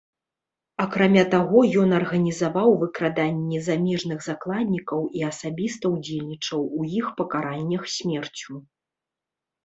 Акрамя таго, ён арганізаваў выкраданні замежных закладнікаў і асабіста ўдзельнічаў у іх пакараннях смерцю.